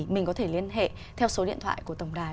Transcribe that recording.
mình có thể liên hệ theo số điện thoại của tổng đài